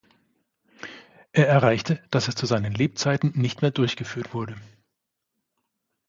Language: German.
Er erreichte, dass es zu seinen Lebzeiten nicht mehr durchgeführt wurde.